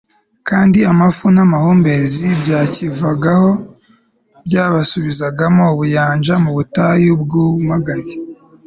kandi amafu n'amahumbezi byakivagaho byabasubizagamo ubuyanja mu butayu bwumagaye